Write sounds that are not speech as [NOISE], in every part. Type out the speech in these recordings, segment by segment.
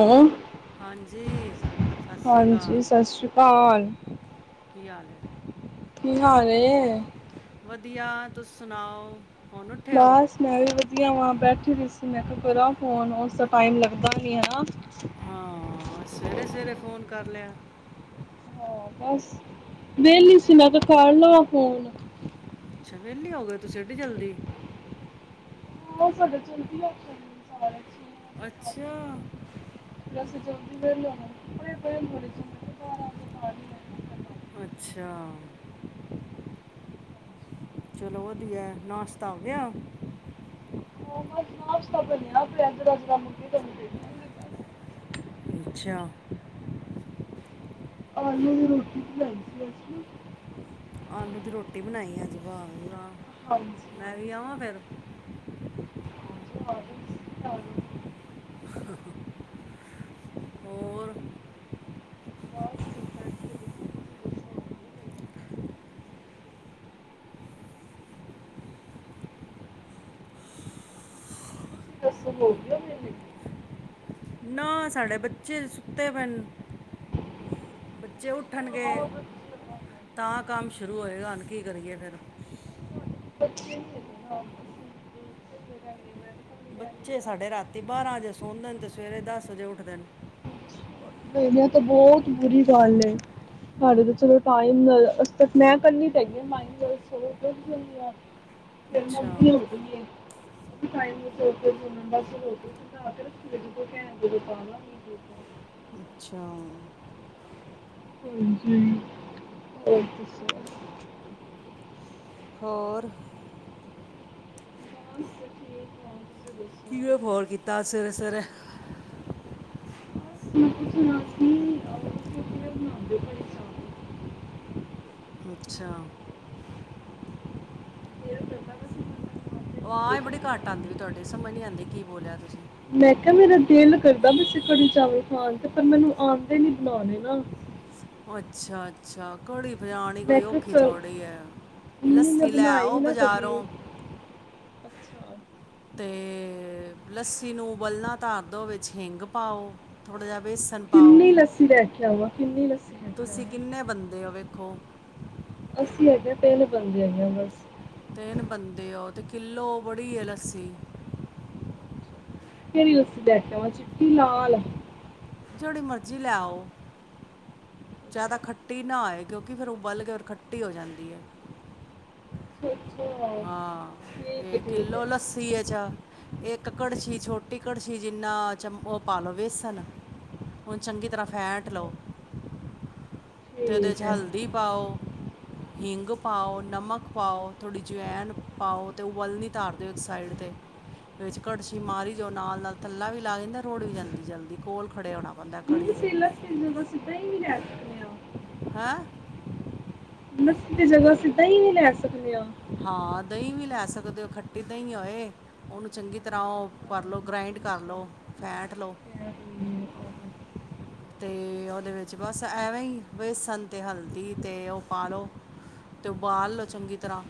Hello ਹਾਂਜੀ ਸਤਿ ਸ੍ਰੀ ਅਕਾਲ ਹਾਂਜੀ ਸਤਿ ਸ੍ਰੀ ਅਕਾਲ ਕੀ ਹਾਲ ਹੈ ਕੀ ਹਾਲ ਏ? ਵਧੀਆ ਤੁਸੀ ਸੁਣਾਓ ਹੁਣ ਉੱਠੇ ਹੋ ਬਸ ਮੈਂ ਵੀ ਵਧੀਆ ਵਾਂ ਬੈਠੀ ਰਹੀ ਸੀ ਮੈਂ ਕਿਹਾ ਕਰਾ ਫੋਨ ਉਸਦਾ ਟਾਈਮ ਲੱਗਦਾ ਨਹੀਂ ਹੈ ਨਾ ਹਾਂ ਸਵੇਰੇ ਸਵੇਰੇ ਫੋਨ ਕਰ ਲਿਆ ਹਾਂ ਬਸ ਵੇਹਲੀ ਸੀ ਮੈਂ ਕਿਹਾ ਕਰ ਲਵਾ ਫੋਨ ਅੱਛਾ ਵਿਹਲੀ ਹੋ ਗਏ ਤੁਸੀਂ ਐਡੀ ਜਲਦੀ ਬਸ ਅੱਜ ਜਲਦੀ ਹੋ ਗਏ ਆ ਸਾਰੇ ਅੱਛਾ ਜਲਦੀ ਵਿਰ ਲੜੇ ਪੜ ੋੜੇ ਬਾਰਾਂ ਵਜੇ ਪਾ ਅੱਛਾ ਚਲੋ ਵਧੀਆ ਏ ਨਾਸ਼ਤਾ ਹੋ ਗਿਆ ਹ ਬਸ ਨਾਸ਼ਤਾ ਬਣ ਦਾ ਪਿਆ ਦ ਜ ਮੁਗੀ ਤੁਹਾਨੂੰ ਦੇ ਹੁੰਦੀ ਬਸ ਛ ਔਰ ਮੈਂ ਦੀ ਰੋਟੀ ਵੀ ਲਈ ਸੀ ਵਸਨ ਆਲੂ ਦੀ ਰੋਟੀ ਬਣਾਈ ਆ ਜੀ ਵਾ ਮੈਂ ਵੀ ਆਵਾਂ ਫੇਿਰ ਹਾਂਜੀ [INAUDIBLE] ਹਰ ਸ ਕਰ ਹਾਂ ਹਾਂ ਹੋਰ ਬਸ ਪੁੋ ਤੁਸੀਂ ਹੋ ਗਏ ਓ ਮੇਨ ਹਾਂ ਸਾਡੇ ਬੱਚੇ ਸੁੱਤੇ ਭਏ ਨੇ ਬੱਚੇ ਉੱਠਣਗੇ ਤਾਂ ਕੰਮ ਸ਼ੁਰੂ ਸ਼ੁਰੂ ਹੋਏਗਾ ਕੀ ਕਰੀਏ ਫੇਰ ਬੱਚੇ ਮ ਬੱਚੇ ਸਾਡੇ ਰਾਤੀ ਵਜੇ ਸੌਂਦੇ ਨੇ ਤੇ ਸਵੇਰੇ ਦਸ ਵਜੇ ਉੱਠਦੇ ਨੇ ਨਹੀਂ ਏਹ ਤਾਂ ਬਹੁਤ ਬੁਰੀ ਗੱਲ ਸਾਡੇ ਤੇ ਚਲੋ ਟਾਈਮ ਅੱਜ ਤੱਕ ਮੈਂ ਕਹਿਣੀ ਤਾਂ ਹੈਗੀ ਹ ਫਿਰ ਅੱਛਾ ਮੰਮੀ ਹੁੰਦੀ ਹੈ ਟਾਈਮ ਸੋ ਬਸ ਹ ਅੱਛਾ ਹਾਂਜੀ ਹੋਰ ਦਸੋ ਹੋਰ ਬੱ ਠੀਕ ਐ ਕਿਵੇਂ ਫੋਨ ਕੀਤਾ ਸਵੇਰੇ ਸਵੇਰੇ ਬੈਂ ਪੁੱਛਣਾ ਸੀ ਤੁਸੀ ਜਿਹੜੇ ਬਣਾਉਂਦੇ ਪਏ ਚਾਵਲ ਅੱਛਾ ਫੇਰਾ ਬਣ ਦਾ ਬ ਸੀ ਆਹ ਇਹ ਬੜੀ ਘੱਟ ਆਉਂਦੀ ਵੀ ਤੁਹਾਡੀ ਸਮਝ ਨਹੀਂ ਆਉਂਦੀ ਕੀ ਬੋਲਿਆ ਤੁਸੀਂ ਮੈਂ ਕਿਹਾ ਮੇਰਾ ਦਿਲ ਕਰਦਾ ਵੈਸੇ ਕੜੀ ਚਾਵਲ ਖਾਣ ਤੇ ਪਰ ਮੈਨੂੰ ਆਉਂਦੇ ਨੀ ਬਣਾ ਦੇ ਨਾ ਅੱਛਾ ਅੱਛਾ ਕੜੀ ਬਨਾਨੀ ਮੈਂ ਕੋਈ ਕਿਹਾ ਔਖੀ ਚਲ ਥੋੜ੍ਹੀ ਹੈ ਮੰਮੀ ਮੈਂ ਲੱਸੀ ਲੈ ਬਣਾਏ ਆਓ ਬਜ਼ਾਰੋਂ ਅੱਛਾ ਤੇ ਲੱਸੀ ਨੂੰ ਓਬਲਣਾ ਧਰ ਦੋ ਵਿੱਚ ਹਿੰਗ ਪਾਓ ਥੋੜ੍ਹਾ ਜਿਹਾ ਵੇਸਣ ਕਿੰਨੀ ਪਾਓ ਲੱਸੀ ਲੈ ਕੇ ਆਵਾਂ ਕਿੰਨੀ ਲੱਸੀ ਲੈ ਕੇ ਤੁਸੀਂ ਕਿੰਨੇ ਬੰਦੇ ਹੋ ੱਖੋ ਅੱਸੀਂ ਹੈਗੇ ਤਿੰਨ ਬੰਦੇ ਹੈਗੇ ਆ ਬਸ ਤਿੰਨ ਬੰਦੇ ਉਹ ਤੇ ਕਿੱਲੋ ਬੜੀ ਹੈ ਲੱਸੀ ਲਸੀ ਆ ਚਿੱਟੀ ਲਾਲ ਜਿਹੜੀ ਮਰਜ਼ੀ ਲੈ ਆਓ ਜ਼ਿਆਦਾ ਖੱਟੀ ਨਾ ਆਏ ਕਿਉਂਕਿ ਫਿਰ ਉਬਲ ਕੇ ਫਿਰ ਖੱਟੀ ਹੋ ਜਾਂਦੀ ਹੈ ਅੱ ਹਾਂ ਇਹ ਹੈ ਕਿੋਲੌ ਲੱਸੀ ਅੱਛਾ ਇੱਕ ਇੱਕ ਘੜਛੀ ਛੋਟੀ ਕੜਛੀ ਜਿੰਨਾ ਚਮ ਉਹ ਪਾਾਲ ਲਓ ਬੇਸਣ ਓਨੂੰ ਚੰਗੀ ਤਰ੍ਹਾਂ ਫੈਟ ਲਓ ਤੇ ਉਹਦੇ ਠੀਕ ' ਹੈ ਹਲਦੀ ਪਾਓ। ਹਿੰਗ ਪਾਓ ਨਮਕ ਪਾਓ ਥੋੜ੍ਹੀ ਜਵਾਇਨ ਪਾਓ ਤੇ ਉ ਵੱਲ ਨ ਤਾਰ ਦਿਓ ਇੱਕ ਸਾਈਡ ਤੇ ਵਿੱਚ ਘੜਸੀ ਮਾਰੀ ਜਾਓ ਨਾਲ ਨਾਲ ਥੱਲਾ ਵੀ ਲਾਗ ਜਾਂਦਾ ਰੋਡ ਵੀ ਜਲਦੀ ਜਲਦੀ ਕੋਲ ਖੜੇ ਹੋਉਣਾ ਪੈਂਦਾ। ਘੜੀ ਮ ਦੇ ਸੀਲਾ ਸੀ ਬਸੀ ਪ ਵੀ ਲੈ ਸਕਦੇ ਹੋ। ਹੈਂ। ਬਸੀ ਦੀ ਜਗ੍ਹ ਅਸੀਿੱਦਾਂ ਹੀ ਨ ਲੈ ਸਕਦੇ ਹਾਂ। ਹਾਂ ਦਹੀਂ ਵੀ ਲੈ ਸਕਦੇ ਹੋ ਖੱਟੀ ਦਹੀਂ ਹੋਏ ਉਹਨੂੰ ਚੰਗੀ ਤਰ੍ਹਾਂ ਉਹ ਭਰ ਲਉ ਗ੍ਰਾਇੰਡ ਕਰ ਲਉ ਫੈਂਟ ਲਓ। ਕਹਿ ਰਹੀ ਹੈ, ਆਹੋ। ਤੇ ਉਹਦੇ ਵਿੱਚ ਬਸ ਐਵੇਂ ਹੀ ਬੇਸਣ ਤੇ ਹਲਦੀ ਤੇ ਉਹ ਪਾ ਲਓ ਤੇ ਉਬਾਲ ਲਓ ਚੰਗੀ ਤਰ੍ਹਾਂ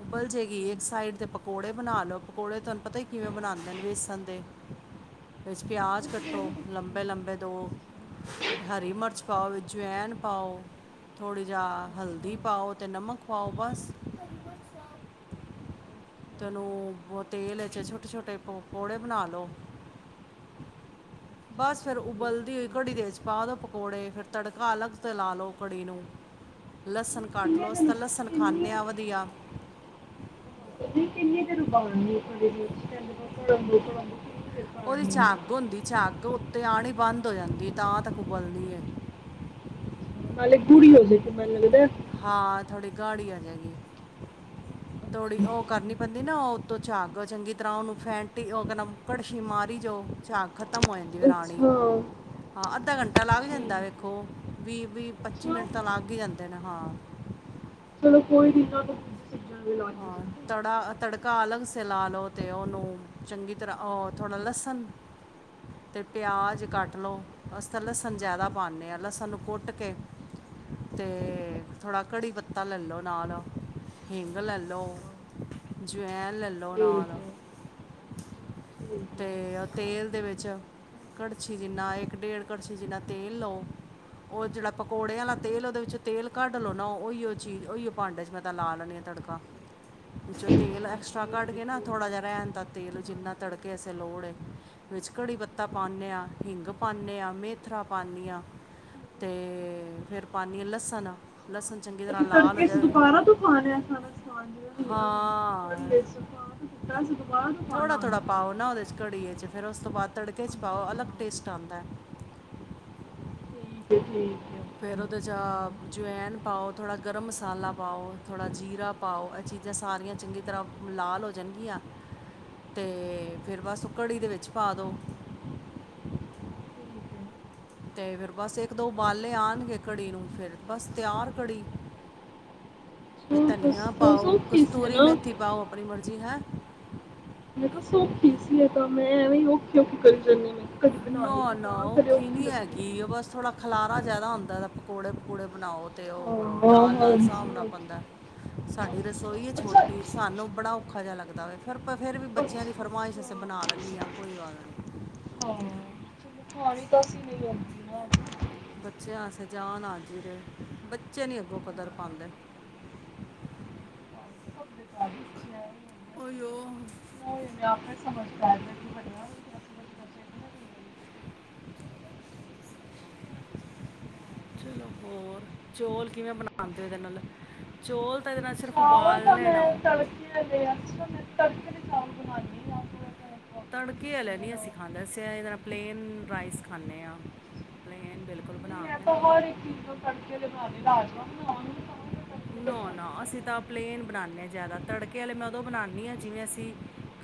ਉਬਲ ਜਾਗੀ ਇੱਕ ਸਾਈਡ ਦੇ ਪਕੌੜੇ ਬਣਾ ਲਓ ਪਕੌੜੇ ਤੁਹਾਨੂੰ ਪਤਾ ਹੀ ਕਿਵੇਂ ਬਣਾਉਂਦੇ ਨੇ ਬੇਸਣ ਦੇ ਵਿੱਚ ਪਿਆਜ ਕੱਟੋ ਲੰਬੇ ਲੰਬੇ ਦੋ ਹਰੀ ਮਿਰਚ ਪਾਓ ਵਿੱਚ ਜਇਨ ਪਾਓ ਥੋੜ੍ਹੀ ਜਿਹਾ ਹਲਦੀ ਪਾਓ ਅਤੇ ਨਮਕ ਪਾਓ ਬਸ। ਤ ਉਹਨੂੰ ਤੇਲ ਵਿੱਚ ਛੋਟੇ ਛੋਟੇ ਪਕੌੜੇ ਬਣਾ ਲਓ ਬਸ ਫਿਰ ਉਬਲਦੀ ਹੋਈ ਘੜੀ ਦੇ ਵਿੱਚ ਪਾ ਦਉ ਪਕੌੜੇ ਫਿਰ ਤੜਕਾ ਅਲੱਗ ਤੋਂ ਲਾ ਲਓ ਘੜੀ ਨੂੰ ਲਸਣ ਨਹੀਂ, ਕੱਟ ਕਿੰਨੇ ਲਓ ਅ ਦਿਨ ਤਾਂ ਲਸਣ ਕਿੰਨੀ ਖਾਂਦੇ ਹਾਂ ਵਧੀਆ। ਰ ਬ ਉਹਦੀ ਚ ਅੱਗ ਹੁੰਦੀ ਚ ਅੱਗ। ਅਤੇ ਆਉਣੀ ਬੰਦ ਹੋ ਜਾਂਦੀ ਤਾਂ ਤ ਉਬਲਦੀ ਹੈ। ਨਾਲਾਲੇ ਗੁੜੀ ਹੋ ਸਕ ਇੱਕ ਮਨ ਲਗਦਾ ਹੈ। ਹਾਂ ਥੋੜੀ ਗਾੜੀ ਆ ਜਾਏਗੀ ਥੋੜੀ ਉਹ ਕਰਨੀ ਪੈਂਦੀ ਨਾਤੋਂ ਝਾਕ ਚੰਗੀ ਤਰ੍ਹਾਂ ਉਹਨੂੰ ਫੈਂਟੀ ਉਹ ਕਹਿੰਦਾ ਘੜਸ਼ੀ ਮਾਰੀ ਜੋ ਝਾਕ ਖਤਮ ਹੋ ਜਾਂਦੀ। ਫਿਰ ਆਣੀ ਪਿੱਛੋ। ਹਾਂ ਅੱਧਾ ਘੰਟਾ ਲੱਗ ਜਾਂਦਾ ਵੇਖੋ ਵੀਹ ਵੀਹ ਪੱਚੀ ਮਿੰਟ ਤਾਂ ਲੱਗ ਹੀ ਜਾਂਦੇ ਨੇ। ਹਾਂ। ਚਲੋ ਕੋਈ ਨ ਨਾਲ। ਹਾਂ ਤੜਾ ਤੜਕਾ ਆਲੰਗ ਸ ਲਾ ਲਉ ਅਤੇ ਉਹਨੂੰ ਚੰਗੀ ਤਰ੍ਹਾਂ ਥੋੜ੍ਹਾ ਲਸਣ ਅਤੇ ਪਿਆਜ਼ ਕੱਟ ਲਉ ਅ ਤਾਂ ਲਸਣ ਜ਼ਿਆਦਾ ਪਾਉਂਦੇ ਹਾਂ ਲਸਣ ਨੂੰ ਕੁੱਟ ਕੇ ਅਤੇ ਥੋੜ੍ਹਾ ਕੜੀ ਪੱਤਾ ਲੈ ਲਉ ਨਾਲ ਹਿੰਗ ਗ ਲੈ ਲਓ ਜਵੈਨ ਲੈ ਲਓ ਨਾਲ ਤੇ ਤੇਲ ਦੇ ਵਿੱਚ ਕੜਛੀ ਜਿੰਨਾ ਇੱਕ ਡੇਢ ਕੜਛੀ ਜਿੰਨਾ ਤੇਲ ਲਓ ਉਹ ਜਿਹੜਾ ਪਕੌੜੇ ਵਾਲਾ ਤੇਲ ਉਹਦੇ ਵਿੱਚ ਤੇਲ ਕੱਢ ਲਉ ਨਾ ਚੀਜ਼ ਭਾਂਡੇ 'ਚ ਮੈਂ ਲ ਲ ਬ ਬ ਕ ਬ ਰ ਬ ਬ ਬ ਬ ਬ ਬ। ਅਂ ਤੜਕੇ ਚ ਦੁਬਾਰਾ ਤੁਫਾਨ ਆ ਾਂਜ ਦੀੰ ਘੀਏਾਂ ਹਾਂ ਦਿੱਤਾਖਬਾਹ ਤੋਂ ਪਾਾਨ ਨੂੰ ਏ ' ਫਿਰ ਉਸ ਤੋਂ ਬਾਅਦ ਤੜਕੇ ' ਪਾਓ ਅਲੱਗ ਟੇਸਟ ਆਉਂਦਾ ਹੈ। ਠੀਕ ਠੀਕ। ਫਿਰ ਉਹਦੇ 'ਚ ਜਵਾਇਨ ਪਾਓ ਥੋੜ੍ਹਾ ਗਰਮ ਮਸਾਲਾ ਪਾਓ ਥੋੜ੍ਹਾ ਜੀਰਾ ਪਾਓ ਇਹ ਚੀਜ਼ਾਂ ਸਾਰੀਆਂ ਚੰਗੀ ਤਰ੍ਹਾਂ ਲਾਲ ਹੋ ਜਾਣਗੀਆਂ ਅਤੇ ਫਿਰ ਬਸ ਕੜੀ ਦੇ ਵਿੱਚ ਪਾ ਦਿਉ। ਤੇ ਫਿਰ ਬਸ ਇੱਕ ਦੋ ਬਾਲੇ ਆਉਣਗੇ ਘੜੀ ਨੂੰ ਫਿਰ ਬਸ ਤਿਆਰ ਘੜੀ ਅੱਛਾ ਤਾਂ ਧਨੀਆ ਸੌ ਸੌ ਪਾਓ ਖੀਸੀ ਕਸਤੂਰੀ ਨਾ ਮੇਥੀ ਪਾਓ ਆਪਣੀ ਮਰਜ਼ੀ ਜੀ ਹਾਂ। ਮੈਂ ਕਿਹਾਸ ਔਖੀ ਸੀ ਇਹ ਤਾਂ ਮੈਂ ਐਵੇਂ ਔਖੀ ਔਖੀ ਕਰੀ। ਜਾਂਦੀ ਹਾਂ। ਮੈਂ ਕਿਹਾ ਕਦੀ ਬਣਾਈ ਨਾ ਨਹੀਂ ਨਾ ਤਾਂ ਕਦੇ ਔਖੀ ਨੀ ਲੱਗਦੀ ਪਈ ਹੈਗੀ ਉਹ ਬਸ ਥੋੜਾ ਖਲਾਰਾ ਜ਼ਿਆਦਾ ਹੁੰਦਾ ਤਾਂ ਪਕੌੜੇ ਪਕੌੜੇ ਬਣਾਓ। ਤੇ ਉਹ ਕਰੋ ਹਾਂ ਨਾਲ ਨਾਲ ਹਾਂਜੀ ਹਭਣਾ ਪੈਂਦਾ। ਸਾਡੀ ਰਸੋਈ ਹੈ ਛੋਟੀ ਸਾਨੂੰ ਬੜਾ ਔਖਾ ਜਿਹਾ ਲੱਗਦਾ ਵਵੇ ਫਿਰ ਫਿਰ ਵੀ ਬੱਚਿਆਂ ਦੀ ਫਰਮਾਇਸ਼ ਅਸੀਂ ਬਣਾ ਦੈਂਦੇ ਹਾਂ ਕੋਈ ਗੱਲ ਨਹੀਂ। ਬੱਚਿਆਂ ਵਸ ਜਾਣ ਆਜੀ ਰ ਬੱਚੇ ਨੀ ਅੱਗੋਂ ਕਦਰ ਪਉਂਦੇ। ਹੋਓ। ਸਮਝਦਾ ਮ। ਚਲੋ ਹੋਰ ਚੌਲ ਕਿਵੇਂ ਬਣਾਂਦੇ ਇਹਦੇ ਨਾਲ ਚੋਲ ਤਾਂ ਇਹਦੇ ਨਾਲ ਸਿਰਫ ਉਬਾਲਨੇ ਨਾ [UNINTELLIGIBLE] [INAUDIBLE] ਤੜਕੇ ਵਾਲਾ ਨਹੀਂ ਅਸੀਂ ਖਾਂਦੇ ਅਸੀਂ ਇਹਦੇ ਨਾਲ ਪਲੇਨ ਰਾਈਸ ਖਾਂਦੇ ਆ। ਨਹੀਂ ਬਿਲ ਨਹੀਂ ਮੈਂ ਤਾਂ ਹਰ ਇੱਕ ਚੀਜ਼ ਨੂੰ ਤੜਕੇ ਦੇ [INAUDIBLE] ਨਾ ਨਾ ਅਸੀਂ ਤਾਂ ਪਲੇਨ ਬਣਾਣੇ ਹਾਂ ਜ਼ਿਆਦਾ ਤੜਕੇ ਵਾਲੇ ਮੈਂ ਉਦੋਂ ਬਣਾਣੀ ਹਾਂ ਜਿਵੇਂ ਅਸੀਂ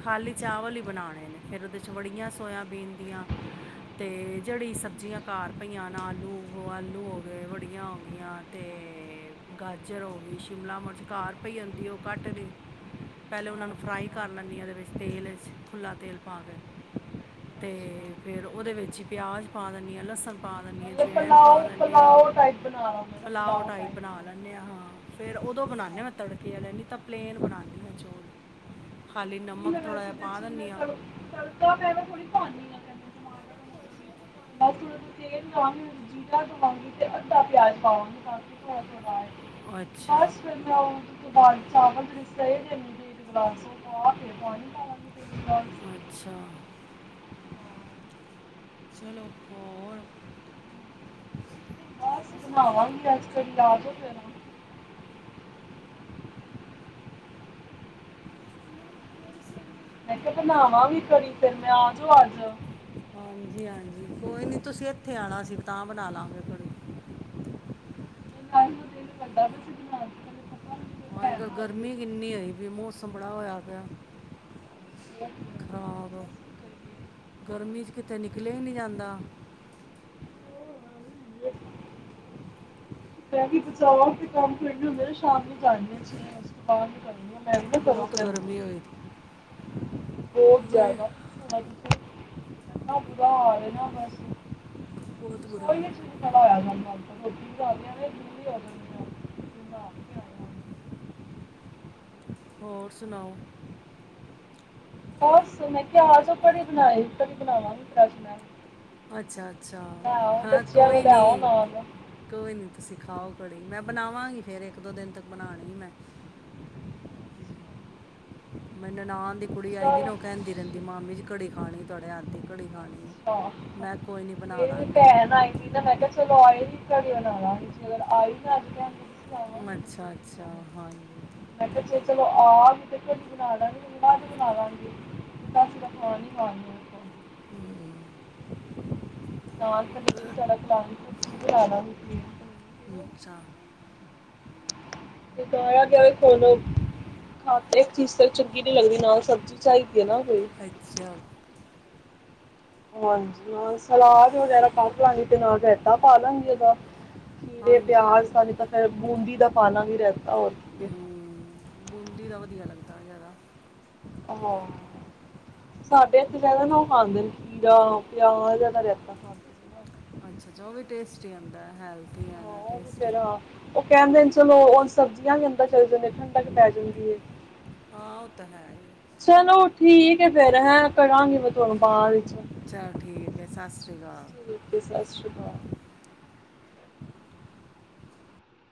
ਖਾਲੀ ਚਾਵਲ ਹੀ ਬਣਾਣੇ ਨੇ ਫਿਰ ਉਹਦੇ 'ਚ ਵੜੀਆਂ ਸੋਇਆਬੀਨ ਦੀਆਂ ਅਤੇ ਜਿਹੜੀ ਸਬਜ਼ੀਆਂ ਘਰ ਪਈਆਂ ਨਾ ਆਲੂ ਆਲੂ ਹੋ ਗਏ ਵੜੀਆਂ ਹੋ ਗਈਆਂ ਅਤੇ ਗਾਜ ਰ ਹੋ ਗਈ ਸ਼ਿਮਲਾ ਮਿਰਚ ਘਰ ਪਈ ਜਾਂਦੀ ਉਹ ਘੱਟ ਕੇ ਪਹਿਲੇ ਉਹਨਾਂ ਨੂੰ ਫਰਾਈ ਕਰ ਲੈਣੀ ਹਾਂ ਉਹਦੇ ਵਿੱਚ ਖੁੱਲਾ ਤੇਲ ਪਾ ਕੇ ਅਤੇ ਫਿਰ ਉਹਦੇ ਵਿੱਚ ਪਿਆਜ਼ ਪਾ ਦਿੰਦੀ ਹਾਂ ਲਸਣ ਪਾ ਦਿੰਦੀ ਹਾਂ। ਅਜਵੈਨ ਪਾ ਲੈਣੇ ਹਾਂ ਪੁਲਾਓ ਟਾਈਪ ਬਣਾ ਲੈਣੇ ਹਾਂ। ਫਿਰ ਉਦੋਂ ਬਣਾਣੇ ਆ ਮੈਂ ਤੜਕੇ ਵਾਲੇ ਨਹੀਂ ਤਾਂ ਪਲੇਨ ਬਣਾਨੀ ਆ ਮੈਂ ਚੌਲ। ਨਮਕ ਥੋੜ੍ਹਾ ਵੈਸੇ ਜਿਹਾ ਤਾਂ ਪਾ ਚਿੰਨ ਦਿੰਦੀ ਹਾਂ ਤੜ [UNINTELLIGIBLE] ਸੀਂ ਤੇਲ ਪ [INAUDIBLE] ਅੱਛਾ ਬਸ ਫਿਰ ਮੈਂ ਓਹਦੇ ਤੋਂ ਬਾਅਦ ਚਾਵਲ ਜਿਹੜੀ ਸਹੇ ਦੇ ਮੁ ਇੱਕ ਗਲਾਸ ਪਾ ਕੇ ਪਾਣੀ ਪਾਵਾਂਗੀ ਅੱਛਾ ਚਲੋ ਹੋਰ [UNINTELLIGIBLE] ਮੈਂ ਕਿਹਾ ਬਣਾਵਾਂ ਵੀ ਘੜੀ ਫੇਿਰ ਮੈਂ ਆ ਜੋਓ ਅੱਜ ਹਾਂਜੀ ਹਾਂਜੀ ਕੋਈ ਨੀ ਤੁਸੀਂ ਇੱਥੇ ਆਉਣਾ ਸੀ ਤਾਂ ਬਣਾ ਲਾਂਗੇ ਤੁੜੀ ਪੱਦਾ ਵੀ ਅੱਜ ਕੱਲ ਗਰਮੀ ਕਿੰਨੀ ਆਈ ਵੀ ਮੌਸਮ ਬੜਾ ਹੋਇਆ ਪਿਆ। ਖਰਾਬ ਗਰਮੀ ਚ ਕਿਤੇ ਨਿਕਲੇ ਨੀ ਜਾਂਦਾ। ਕਹਿ ਕੇ ਬਹਚਾਓ ਤੇ ਕੰਮ ਕਰਨੇ ਹੁੰਦੇ ਨੇ ਸ਼ਾਮ ਨੂੰ। ਉਸ ਤੋਂ ਬਾਅਦ ਮੈਂ ਵੀ ਨਾ ਬਹੁਤ ਕਰ ਗਰਮੀ ਹੋਈ ਥੀ ਬਹੁਤ ਬਹੁਤ ਹਾਏ ਜਿਆਦਾ ਇਨਾ ਜਿਆਦਾ ਬੁਰਾ ਹਾਲ ਬਹੁਤ ਬੁਰਾ ਹਾਲ ਹੈ [INAUDIBLE] ਹੋਰ ਸੁਣਾਓ। ਬੱਸ ਮੈਂ ਕਿਹਾ ਆ ਜਾਓ ਕੜੀ ਬਣਾਈ ਕੜੀ ਬਣਾਵਾਂਗੀ ਅੱਜ ਮੈਂ। ਅੱਛਾ ਅੱਛਾ, ਹਾਂ ਕੋਈ ਨੀ ਕੋਈ ਨੀ। ਸਿਖਾਓ ਘੜੀ ਮੈਂ ਬਣਾਵਾਂਗੀ ਫੇਰ ਇੱਕ ਦੋ ਦਿਨ ਤੱਕ ਬਣਾਣੀ ਮੈਂ। ਮੇਰੀ ਨਨਾਣ ਦੀ ਕੁੜੀ ਆਈ ਦੀ ਨਾ ਉਹ ਕਹਿੰਦੀ ਰਹਿੰਦੀ ਮਾਮੀ ਜੀ ਕੜੀ ਖਾਣੀ ਤੁਹਾਡੇ ਹੱਥ ਦੀ ਘੜੀ ਖਾਣੀ। ਹੈ ਅੱ ਮੈਂ ਕੋਈ ਨਹੀਂ ਬਣਾ ਮੇਰੀ ਵੀ ਭੈਣ ਦਾਂਗੀ ਆਈਦੀ ਨਾ ਮੈਂ ਕਿਹਾ ਚਲੋ ਆਏ। ਕੜੀ [INAUDIBLE] ਅੱਛਾ ਅੱਛਾ ਹਾਂਜੀ ਮੈਂ ਕਿਹਾ ਚਲੋ ਆ ਵੀ ਤੇ ਤੁਡੀ ਬਣਾ ਲਵਾਂਗੇ ਬਾਅ ਚ ਬਣਾ ਲਾਂਗੇ ਤਾਂਸੀ ਤਾਂ ਖਾਣੀ [UNINTELLIGIBLE] ਹਮ ਨਾਲ [UNINTELLIGIBLE] ਹਮ [UNINTELLIGIBLE] ਹਾਂ [UNINTELLIGIBLE] ਇੱਕ ਚੀਜ਼ ਤੇ ਚੰਗੀ ਨੀ ਲੱਗਦੀ, ਨਾਲ ਸਬਜ਼ੀ ਚਾਹੀਦੀ ਹੈ ਨਾ ਕੋਈ। ਅੱਛਾ ਹਾਂਜੀ ਹੋਰ ਸਲਾਦ ਵਗੈਰਾ ਕੱਟ ਲਵਾਂਗੀ ਤੇ ਨਾਲ ਰਾਇਤਾ। ਪਾਲਾਂਗੇ ਉਹਦਾ ਖੀਰੇ, ਹਾਂਜੀ ਪਿਆਜ ਦਾ ਤਾਂ ਨਹੀਂ ਹਾਂਜੀ ਤਾਂ ਫਿਰ ਬੂੰਦੀ ਦਾ ਪਾ ਲਵਾਂਗੀ ਰਾਇਤਾ ਹੋਰ ਕੀ ਹੈ। ਹੂੰ ਬੂੰਦੀ ਦਾ ਵਧੀਆ ਜ਼ਿਆਦਾ ਹਮ ਸਾਡੇ ਇਥੇ ਜਿਆਦਾ ਨਾ ਉਹ ਖਾਂਦੇ ਨੇ ਖੀਰਾ ਪਿਆਜ ਦਾ ਰਾਇਤਾ ਖਾਂਦੇ ਨੇ। ਅੱਛਾ ਅੱਛਾ ਉਹ ਵੀ ਟੇਸਟੀ ਹੁੰਦਾ ਹਾਂ ਉਹ ਵੀ ਫਿਰ ਹਾਂ ਉਹ ਕਹਿੰਦੇ ਨੇ ਚਲੋ ਉਹ ਸਬਜ਼ੀਆਂ ਵੀ ਹੁੰਦੀ ਚਲਦੇ ਠੰਡਕ ਪੈ ਜਾਂਦੀ ਏ ਹਾਂ ਉਹ ਤਾਂ ਹੈ ਹੀ। ਚਲੋ ਠੀਕ ਹੈ ਫੇਰ ਹੈ ਕਰਾਂਗੀ ਮੈਂ ਤੁਹਾਨੂੰ ਬਾਅਦ ਵਿੱਚ ਸਸ [UNINTELLIGIBLE] ਠੀਕ ਹੈ ਸਤਿ ਸ਼੍ਰੀ ਅਕਾਲ [UNINTELLIGIBLE]